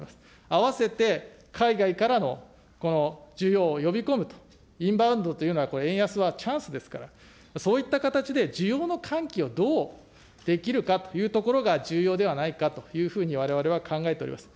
併せて海外からの需要を呼び込む、インバウンドというのは、これ、円安はチャンスですから、そういった形で需要の喚起をどうできるかというところが重要ではないかというふうに、われわれは考えております。